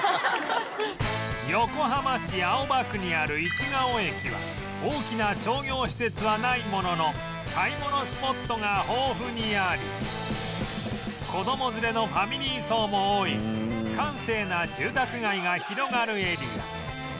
横浜市青葉区にある市が尾駅は大きな商業施設はないものの買い物スポットが豊富にあり子供連れのファミリー層も多い閑静な住宅街が広がるエリア